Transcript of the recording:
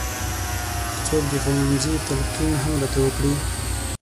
که څوک د ښوونځي تلقین هم راته وکړي.